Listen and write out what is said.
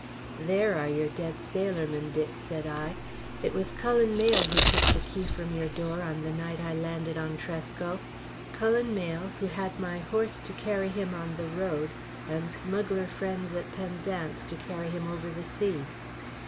"There are your dead sailormen, Dick," said I. "It was Cullen Mayle who took the key from your door on the night I landed on Tresco Cullen Mayle, who had my horse to carry him on the road and smuggler friends at Penzance to carry him over the sea.